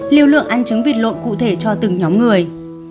lưu lượng ăn trứng vịt lộn cụ thể cho từng nhóm người